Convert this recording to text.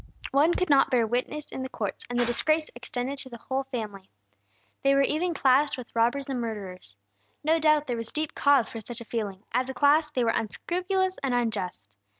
One could not bear witness in the courts, and the disgrace extended to the whole family. They were even classed with robbers and murderers. No doubt there was deep cause for such a feeling; as a class they were unscrupulous and unjust.